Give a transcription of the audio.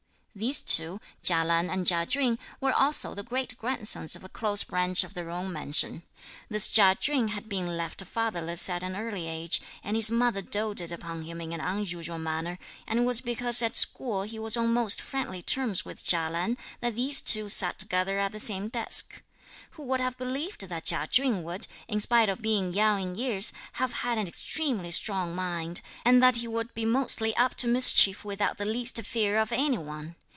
These two, Chia Lan and Chia Chün, were also the great grandsons of a close branch of the Jung mansion. This Chia Chün had been left fatherless at an early age, and his mother doated upon him in an unusual manner, and it was because at school he was on most friendly terms with Chia Lan, that these two sat together at the same desk. Who would have believed that Chia Chün would, in spite of being young in years, have had an extremely strong mind, and that he would be mostly up to mischief without the least fear of any one.